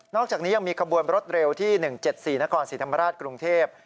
อกจากนี้ยังมีขบวนรถเร็วที่๑๗๔นครศรีธรรมราชกรุงเทพ